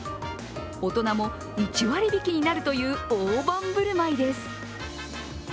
大人も１割引になるという大盤振る舞いです。